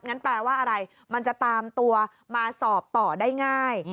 แปลว่าอะไรมันจะตามตัวมาสอบต่อได้ง่าย